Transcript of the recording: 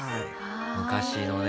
昔のね。